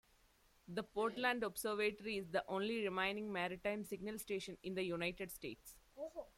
The Portland Observatory is the only remaining maritime signal station in the United States.